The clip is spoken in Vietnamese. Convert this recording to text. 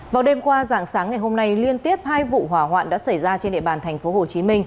vào đêm qua dạng sáng ngày hôm nay liên tiếp hai vụ hỏa hoạn đã xảy ra trên địa bàn tp hcm